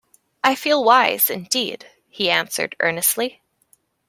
"I feel wise, indeed," he answered, earnestly.